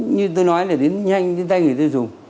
như tôi nói là đến nhanh đến tay người tiêu dùng